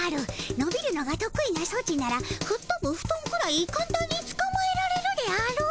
のびるのがとく意なソチならふっとぶフトンくらいかんたんにつかまえられるであろう。